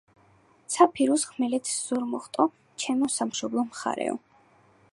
ცა ფირუზ, ხმელეთ-ზურმუხტო, ჩემო სამშობლო მხარეო